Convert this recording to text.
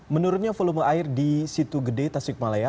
menurutnya volume air di situ gede tasik malaya